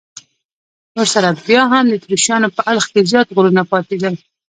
ورسره بیا هم د اتریشیانو په اړخ کې زیات غرونه پاتېدل.